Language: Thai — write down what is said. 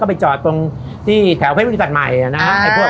ก็ไปจอดตรงที่แถวเพศวิทยุตัศน์ใหม่